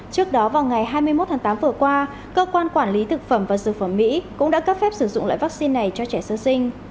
trước đó vào ngày hai mươi một tháng tám vừa qua cơ quan quản lý thực phẩm và dược phẩm mỹ cũng đã cấp phép sử dụng loại vaccine này cho trẻ sơ sinh